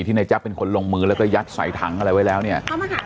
ในแจ๊บเป็นคนลงมือแล้วก็ยัดใส่ถังอะไรไว้แล้วเนี่ย